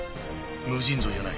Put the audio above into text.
無尽蔵じゃない。